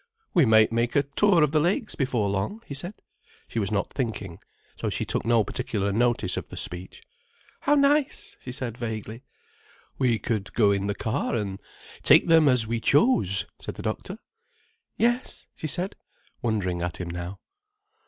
"We might make a tour of the Lakes before long," he said. She was not thinking, so she took no particular notice of the speech. "How nice!" she said vaguely. "We could go in the car, and take them as we chose," said the doctor. "Yes," she said, wondering at him now.